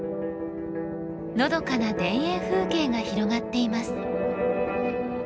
のどかな田園風景が広がっています。